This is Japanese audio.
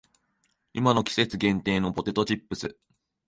今の季節限定のポテトチップス